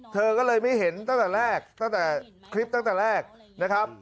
เธอก็เลยไม่เห็นตั้งแต่คลิปตั้งแต่แรกนะครับ